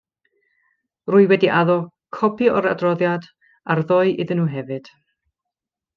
Rwy wedi addo copi o'r adroddiad ar ddoe iddyn nhw hefyd.